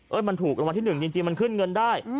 เอ้ยมันถูกรวรรณที่หนึ่งจริงมันขึ้นเงินได้